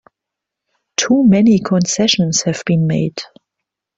Too many concessions have been made!